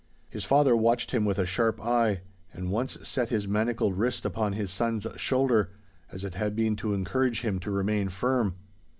His father watched him with a sharp eye, and once set his manacled wrist upon his son's shoulder, as it had been to encourage him to remain firm.